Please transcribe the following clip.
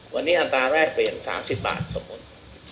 วันนี้อัตราแรกเปลี่ยน๓๐บาทสมมุติ